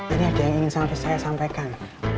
ini aja yang ingin sampai saya sampaikan